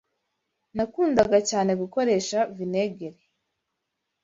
Nakundaga cyane gukoresha vinegere.